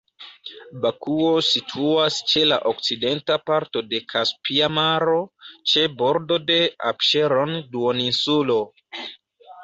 Bakuo situas ĉe la okcidenta parto de Kaspia Maro, ĉe bordo de Apŝeron-duoninsulo.